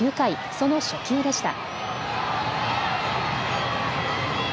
その初球でした。